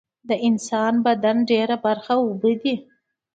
د انسان بدن ډیره برخه اوبه دي